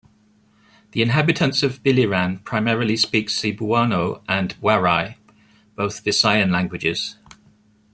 The inhabitants of Biliran primarily speak Cebuano and Waray, both Visayan languages.